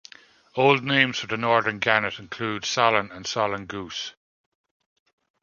Old names for the northern gannet include solan and solan goose.